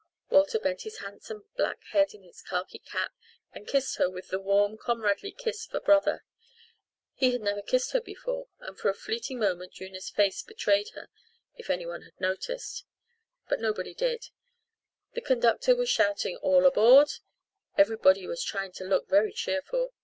Walter bent his handsome black head in its khaki cap and kissed her with the warm, comradely kiss of a brother. He had never kissed her before, and for a fleeting moment Una's face betrayed her, if anyone had noticed. But nobody did; the conductor was shouting "all aboard"; everybody was trying to look very cheerful.